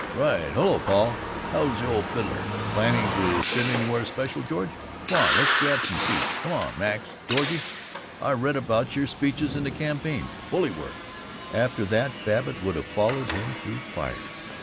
"Right. Hello, Paul! How's the old fiddler? Planning to sit anywhere special, George? Come on, let's grab some seats. Come on, Max. Georgie, I read about your speeches in the campaign. Bully work!" After that, Babbitt would have followed him through fire.